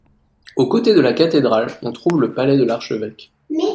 Aux côtés de la cathédrale, on trouve le palais de l'archevêque.